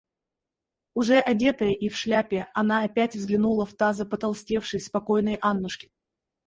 Уже одетая и в шляпе, она опять взглянула в таза потолстевшей, спокойной Аннушки.